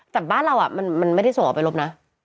แต่บ้านเรามันไม่ได้ส่งออกไปรบนะ